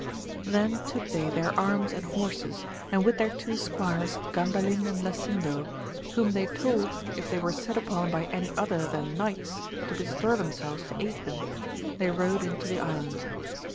Then took they their, arms and horses, and with their two squires Gandalin and Lasindo, whom they told if they were set upon by any other than knights to bestir them selves to aid them, they rode into the island.